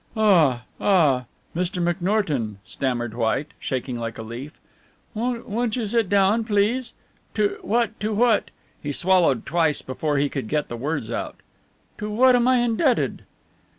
"Ah ah Mr. McNorton!" stammered White, shaking like a leaf, "won't you sit down, please? To what to what," he swallowed twice before he could get the words out, "to what am I indebted?"